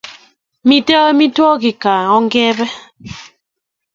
Miten amitwakik kaa ingebe